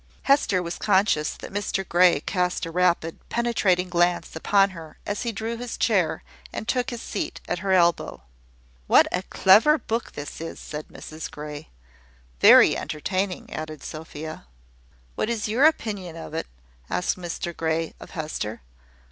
Hester was conscious that Mr Grey cast a rapid, penetrating glance upon her as he drew his chair, and took his seat at her elbow. "What a clever book this is!" said Mrs Grey. "Very entertaining," added Sophia. "What is your opinion of it?" asked Mr Grey of Hester.